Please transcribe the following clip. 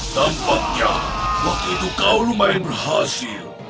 tampaknya waktu itu kau lumayan berhasil